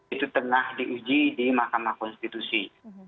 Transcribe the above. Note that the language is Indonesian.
itu tengah diuji di mahkamah konstitusi